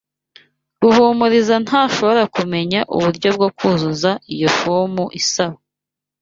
Ruhumuriza ntashobora kumenya uburyo bwo kuzuza iyi fomu isaba.